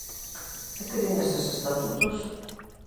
E, que din eses estatutos?